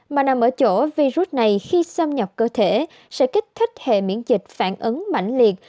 mà nằm ở chỗ virus này khi xâm nhập cơ thể sẽ kích thích hệ miễn dịch phản ứng mạnh liệt